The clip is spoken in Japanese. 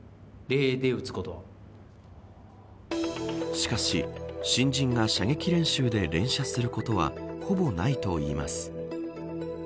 しかし、新人が射撃練習で連射することはほぼないといいます。